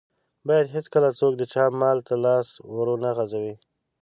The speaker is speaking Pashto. بايد هيڅکله څوک د چا مال ته لاس ور و نه غزوي.